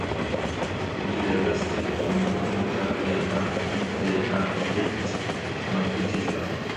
Il est resté en bon état et abrite un petit phare.